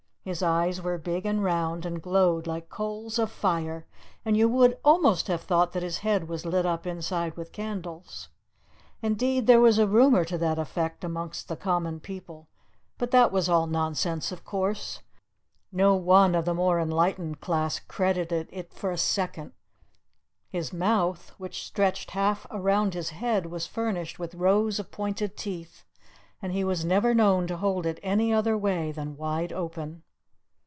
His eyes were big and round, and glowed like coals of fire; and you would almost have thought that his head was lit up inside with candles. Indeed there was a rumour to that effect amongst the common people, but that was all nonsense, of course; no one of the more enlightened class credited it for an instant. His mouth, which stretched half around his head, was furnished with rows of pointed teeth, and he was never known to hold it any other way than wide open.